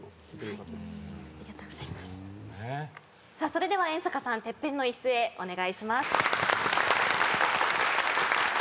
それでは遠坂さんＴＥＰＰＥＮの椅子へお願いします。